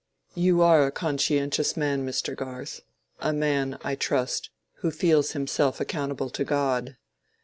"You are a conscientious man, Mr. Garth—a man, I trust, who feels himself accountable to God.